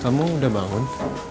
kamu udah bangun